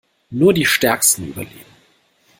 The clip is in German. Nur die Stärksten überleben.